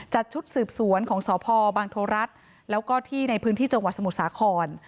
จัดชุดสืบสวนของสพบางทรัฐแล้วก็ที่ในพื้นที่จสมุทรศาคร